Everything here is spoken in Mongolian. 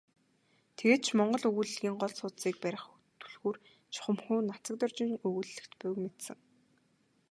Тэгээд ч монгол өгүүллэгийн гол судсыг барих түлхүүр чухамхүү Нацагдоржийн өгүүллэгт буйг мэдсэн.